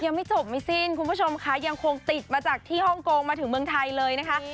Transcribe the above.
ยังไม่จบไม่สิ้นคุณผู้ชมค่ะยังคงติดมาจากที่ฮ่องกงมาถึงเมืองไทยเลยนะคะ